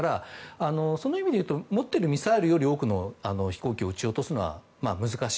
その意味だと持っているミサイルより多くの飛行機を撃ち落とすのは難しい。